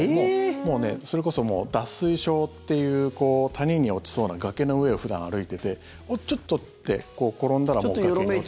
もうね、それこそ脱水症っていう谷に落ちそうな崖の上を普段歩いてておっ、ちょっと！って転んだらもう崖に落ちて。